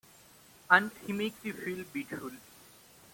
And he makes you feel beautiful.